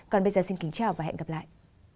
còn bây giờ xin kính chào và hẹn gặp lại